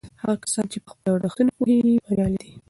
هغه کسان چې په خپلو ارزښتونو پوهیږي بریالي دي.